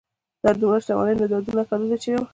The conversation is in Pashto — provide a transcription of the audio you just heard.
دا دومره شتمني نو دا دومره کلونه چېرې وه.